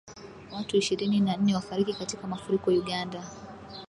Watu ishirini na nne wafariki katika mafuriko Uganda